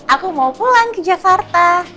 aku mau pulang ke jakarta